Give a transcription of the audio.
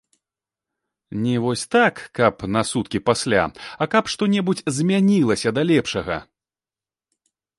Не вось так, каб на суткі пасля, а каб што-небудзь змянілася да лепшага?